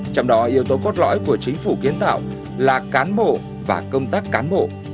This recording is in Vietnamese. trong đó yếu tố cốt lõi của chính phủ kiến tạo là cán bộ và công tác cán bộ